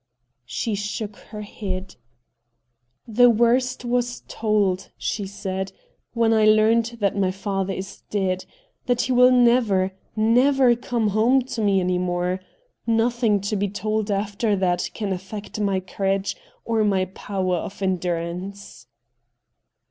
She shook her head. ' The worst was told,' she said, ' when I learned that my father is dead — that he will never, never come home to me any more. Nothing to be told after that can affect my courage or my power of endurance.'